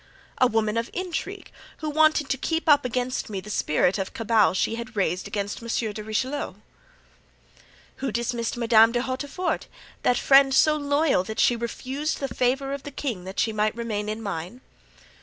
"A woman of intrigue, who wanted to keep up against me the spirit of cabal she had raised against M. de Richelieu." "Who dismissed Madame de Hautefort, that friend so loyal that she refused the favor of the king that she might remain in mine?"